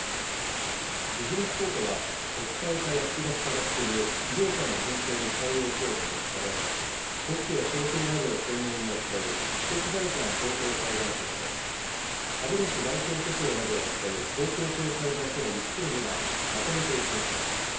ビジネス・コートは、国際化や複雑化が進む企業間の紛争に対応しようと設置され、特許や商標などを専門に扱う知的財産高等裁判所と、株主代表訴訟などを扱う東京地方裁判所の３つの部がまとめて移転します。